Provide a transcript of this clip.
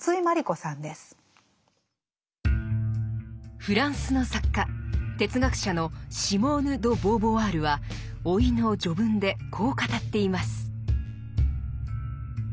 フランスの作家・哲学者のシモーヌ・ド・ボーヴォワールは「老い」の序文でこう語っています。